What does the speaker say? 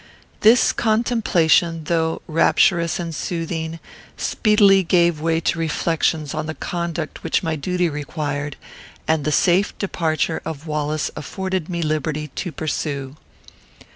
This contemplation, though rapturous and soothing, speedily gave way to reflections on the conduct which my duty required, and the safe departure of Wallace afforded me liberty, to pursue.